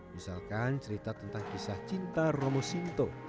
misalkan cerita tentang kisah cinta romo sinto